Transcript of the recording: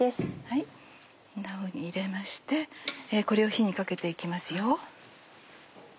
こんなふうに入れましてこれを火にかけて行きますよ。